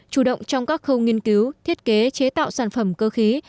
chủ động trong các khâu nghiên cứu thiết kế chế tạo sản phẩm cơ khí